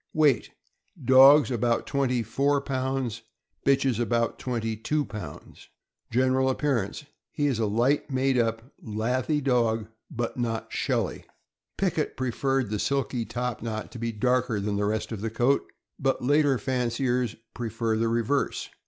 Weight. — Dogs, about twenty four pounds; bitches, about twenty two pounds. General appearance. — He is a light made up, lathy dog, but not shelly. Pickett preferred the silky top knot to be darker than the rest of the coat, but later fanciers prefer the reverse.